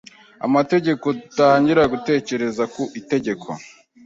amategeko gutangira gutekereza ku itegeko